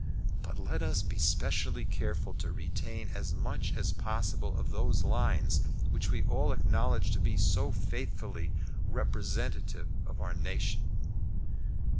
But let us be specially careful to retain as much as possible of those lines which we all acknowledge to be so faithfully representative of our nation.